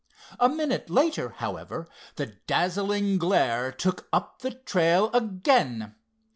A minute later, however, the dazzling glare took up the trail again.